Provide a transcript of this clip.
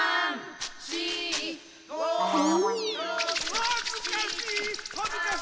はずかしいっ！